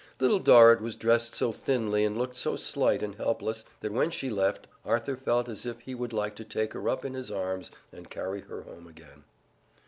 Little Dorrit was dressed so thinly and looked so slight and helpless that when she left, Arthur felt as if he would like to take her up in his arms and carry her home again.